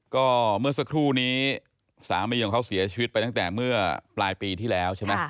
ก็เมื่อสักครู่นี้สามีของเขาเสียชีวิตไปตั้งแต่เมื่อปลายปีที่แล้วใช่ไหม